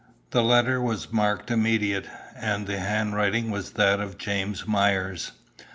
The letter was marked "immediate," and the handwriting was that of James Myers.